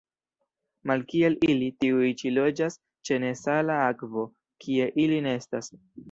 Malkiel ili, tiuj ĉi loĝas ĉe nesala akvo, kie ili nestas.